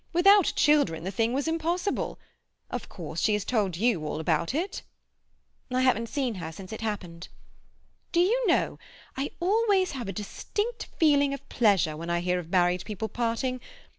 Without children the thing was impossible. Of course she has told you all about it?" "I haven't seen her since it happened." "Do you know, I always have a distinct feeling of pleasure when I hear of married people parting.